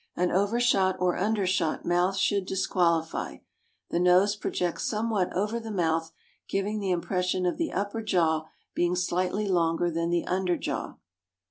An overshot or undershot mouth should dis qualify. The nose projects somewhat over the mouth, giv ing the impression of the upper jaw being slightly longer than the under jaw.